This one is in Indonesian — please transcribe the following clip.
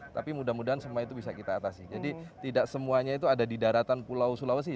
tapi mudah mudahan semua itu bisa kita atasi jadi tidak semuanya itu ada di daratan pulau sulawesi